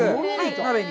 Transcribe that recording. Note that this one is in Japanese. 鍋に。